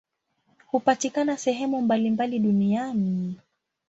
Hupatikana sehemu mbalimbali duniani.